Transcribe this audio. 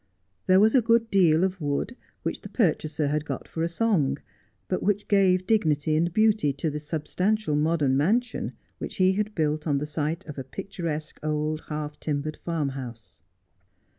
There was a good deal of wood, which the purchaser had got for a song, but which gave dignity and beauty to the substantial modern mansion which he had built on the site of a picturesque old half timbered farmhouse.